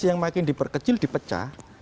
yang makin diperkecil dipecah